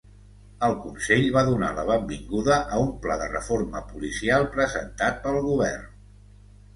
El Consell va donar la benvinguda a un pla de reforma policial presentat pel govern.